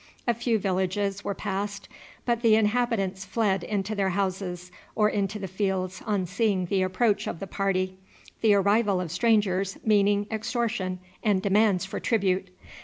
A few villages were passed, but the inhabitants fled into their houses or into the fields on seeing the approach of the party, the arrival of strangers meaning extortion and demands for tribute.